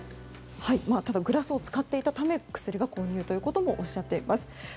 ただしグラスを使っていたため薬が混入ということもおっしゃっています。